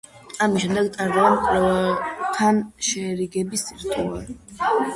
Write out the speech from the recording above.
ამის შემდეგ ტარდება მკვლელთან შერიგების რიტუალი.